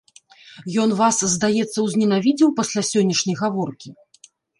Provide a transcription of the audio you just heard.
Ён вас, здаецца, узненавідзеў пасля сённяшняй гаворкі?